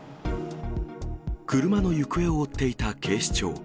車の行方を追っていた警視庁。